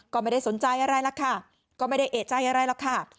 ก็ไม่ได้สนใจอะไรล่ะค่ะก็ไม่ได้เอกใจอะไรหรอกค่ะ